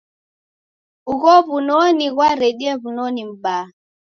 Ugho w'unoni ghwaredie w'unoni m'baa.